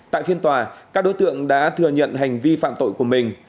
tại phiên tòa các đối tượng đã thừa nhận hành vi phạm tội của mình